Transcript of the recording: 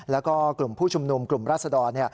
แล้วก็กลุ่มผู้ชุมนุมกลุ่มราศดร